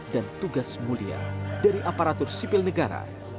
tugas mulia dari aparatur sipil negara